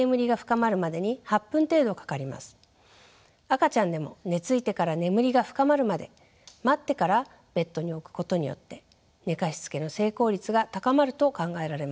赤ちゃんでも寝ついてから眠りが深まるまで待ってからベッドに置くことによって寝かしつけの成功率が高まると考えられました。